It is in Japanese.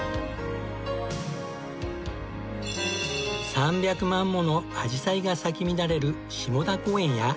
３００万ものアジサイが咲き乱れる下田公園や。